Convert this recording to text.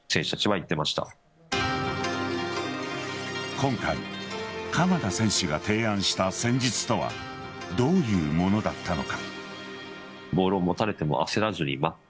今回鎌田選手が提案した戦術とはどういうものだったのか。